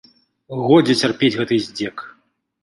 Годзе цярпець гэты здзек!